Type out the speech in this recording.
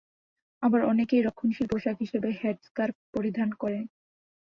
আবার অনেকেই রক্ষণশীল পোশাক হিসেবে হেড-স্কার্ফ পরিধান করে।